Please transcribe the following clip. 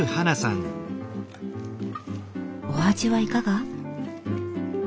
お味はいかが？